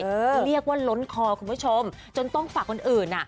เรียกว่าล้นคอคุณผู้ชมจนต้องฝากคนอื่นอ่ะ